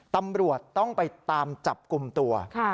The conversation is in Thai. ตำรวจต้องไปตามจับกลุ่มตัว